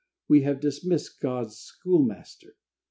We have dismissed God's schoolmaster.